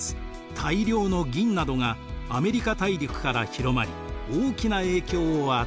大量の銀などがアメリカ大陸から広まり大きな影響を与えました。